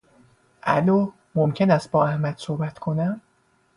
الو، ممکن است با احمد صحبت کنم؟